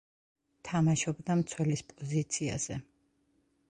თამაშობდა მცველის პოზიციაზე.